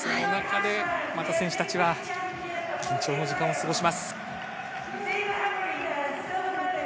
また選手たちは緊張の時間を過ごします。